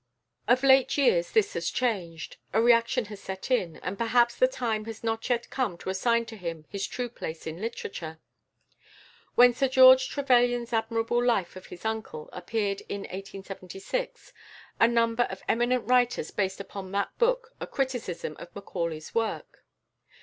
Of late years this has changed; a reaction has set in, and perhaps the time has not yet come to assign to him his true place in literature. When Sir George Trevelyan's admirable life of his uncle appeared in 1876, a number of eminent writers based upon that book a criticism of Macaulay's work.